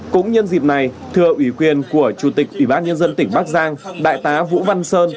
cũng nhân dịp này thưa ủy quyền của chủ tịch ủy ban nhân dân tỉnh bắc giang đại tá vũ văn sơn